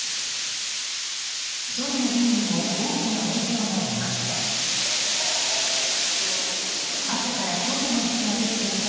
空の便にも大きな影響が出ました。